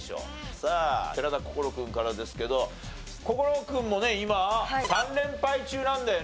さあ寺田心君からですけど心君もね今３連敗中なんだよね。